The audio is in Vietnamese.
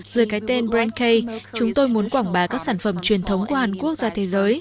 dưới cái tên brand k chúng tôi muốn quảng bá các sản phẩm truyền thống của hàn quốc ra thế giới